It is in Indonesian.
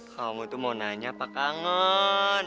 kamu tuh mau nanya pak kangen